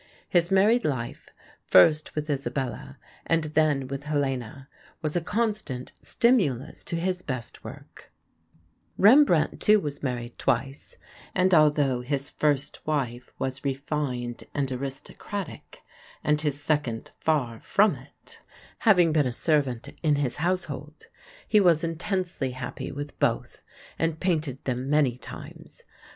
His married life, first with Isabella and then with Helena, was a constant stimulus to his best work. REMBRANDT AND SASKIA [Illustration: SASKIA, BY REMBRANDT] Rembrandt, too, was married twice, and although his first wife was refined and aristocratic and his second far from it, having been a servant in his household, he was intensely happy with both and painted them many times.